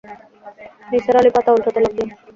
নিসার আলি পাতা ওল্টাতে লাগলেন।